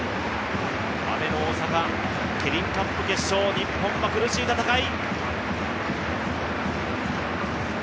雨の大阪、キリンカップ決勝日本は苦しい戦い。